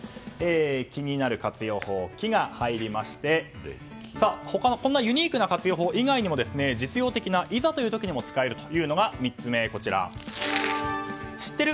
気になる活用法の「キ」が入りましてユニークな活用法以外の実用的ないざという時にも使えるというのが３つ目知ってる？